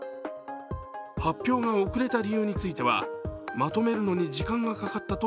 発表が遅れた理由については、まとめるのに時間がかかったと